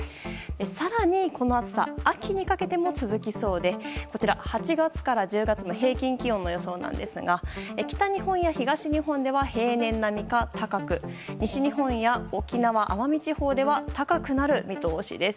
更に、この暑さ秋にかけても続きそうで８月から１０月の平均気温の予想ですが北日本や東日本では平年並みか高く西日本や沖縄、奄美地方では高くなる見通しです。